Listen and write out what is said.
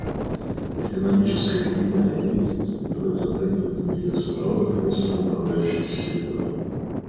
Экономическая и иная деятельность, которая затрагивает интересы народов несамоуправляющихся территорий.